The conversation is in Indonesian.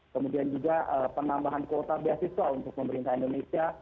kemudian juga penambahan kuota beasiswa untuk pemerintah indonesia